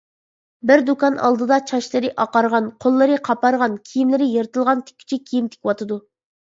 بىر دۇكان ئالدىدا چاچلىرى ئاقارغان، قوللىرى قاپارغان، كىيىملىرى يىرتىلغان تىككۈچى كىيىم تىكىۋاتىدۇ.